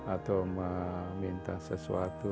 atau meminta sesuatu